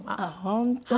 本当。